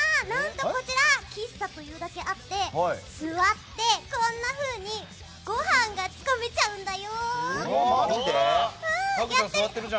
こちら、喫茶というだけあって座ってこんなふうにごはんがつかめちゃうんだよ。